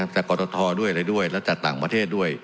จากกรททและจากต่างประเทศด้วย